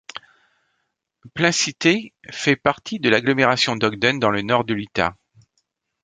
Plain City fait partie de l'agglomération d'Ogden, dans le nord de l'Utah.